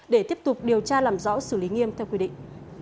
để tiếp tục điều tra làm rõ xử lý nghiêm theo quy định